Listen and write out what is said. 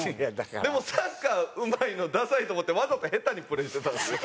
でもサッカーうまいのダサいと思ってわざと下手にプレーしてたんですよ。